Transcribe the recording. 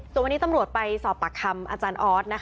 ตอนนี้ตำรวจไปสอบปักคำอาจารย์ออส